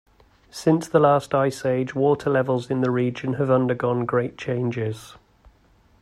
Since the last Ice Age, water levels in the region have undergone great changes.